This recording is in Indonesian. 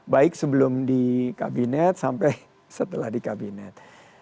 baik sebelum di kabinet sampai setelah di kabinet